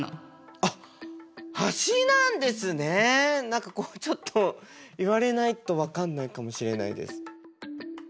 何かこうちょっと言われないと分かんないかもしれないです。